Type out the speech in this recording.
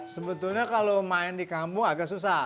sebetulnya kalau main di kampung agak susah